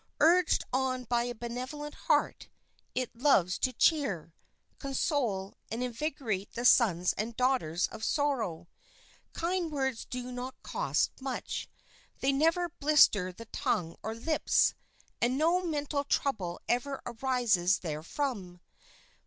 Urged on by a benevolent heart, it loves to cheer, console, and invigorate the sons and daughters of sorrow. Kind words do not cost much. They never blister the tongue or lips, and no mental trouble ever arises therefrom.